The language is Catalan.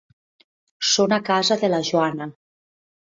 Són a casa de la Joana.